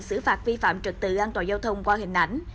xử phạt vi phạm trực tự an toàn giao thông qua hình ảnh